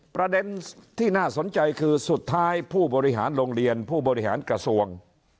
ประเด็นที่น่าสนใจคือสุดท้ายผู้บริหารโรงเรียนผู้บริหารกระทรวง